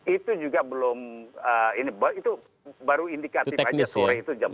itu juga belum itu baru indikatif aja